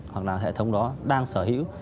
hoặc là hệ thống đó đang sở hữu